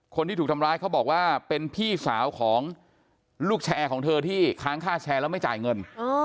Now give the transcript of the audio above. คนที่ถูกทำร้ายเขาบอกว่าเป็นพี่สาวของลูกแชร์ของเธอที่ค้างค่าแชร์แล้วไม่จ่ายเงิน